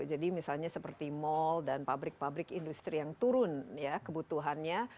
jadi misalnya seperti mall dan pabrik pabrik industri yang turun ya kebutuhannya